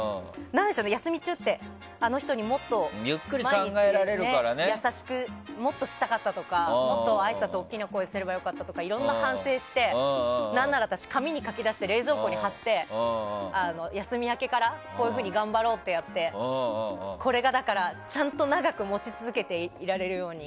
休み中って、あの人にもっと優しくしたかったとかもっとあいさつを大きな声ですれば良かったとかいろんな反省して何なら私、紙に書き出して冷蔵庫に貼って休み明けから、こういうふうに頑張ろうってやってこれがちゃんと長く持ち続けていられるように。